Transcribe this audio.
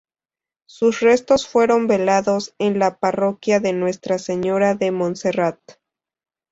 Sus restos fueron velados en la Parroquia de Nuestra Señora de Monserrat.